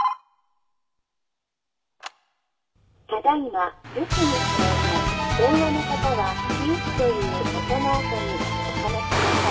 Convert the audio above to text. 「ただいま留守にしてお電話の方はピーッという音の後にお話しください。